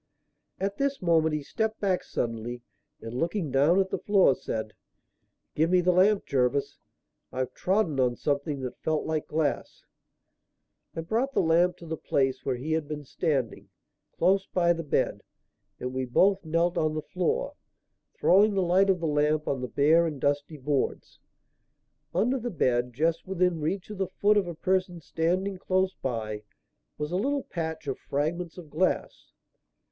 At this moment he stepped back suddenly, and, looking down at the floor, said: "Give me the lamp, Jervis, I've trodden on something that felt like glass." I brought the lamp to the place where he had been standing, close by the bed, and we both knelt on the floor, throwing the light of the lamp on the bare and dusty boards. Under the bed, just within reach of the foot of a person standing close by, was a little patch of fragments of glass.